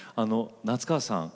夏川さん